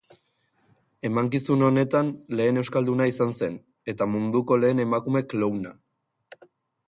Emankizun honetan lehen euskalduna izan zen, eta munduko lehen emakume klowna.